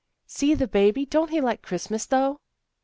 " See the baby! Don't he like Christmas, though!